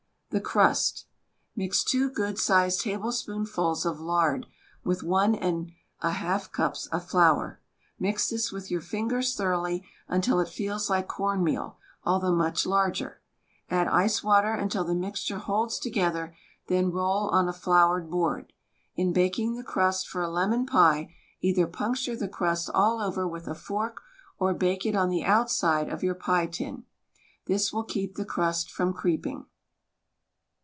The crust : Mix two good sized tablespoonfuls of lard with one and a half cups of flour. Mix this with your fingers thoroughly, until it feels like corn meal, although much larger. Add ice water until the mixture holds to gether; then roll on a floured board. In baking the crust for a lemon pie, either puncture the crust all over with a fork or bake it on the outside of your pie tin. This will keep the crust from creeping.